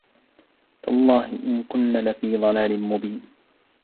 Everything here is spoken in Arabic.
تَاللَّهِ إِنْ كُنَّا لَفِي ضَلَالٍ مُبِينٍ